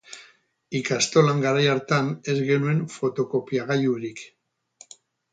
Ikastolan garai hartan ez genuen fotokopiagailurik.